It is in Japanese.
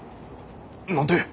何で。